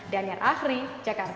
daniar ahri jakarta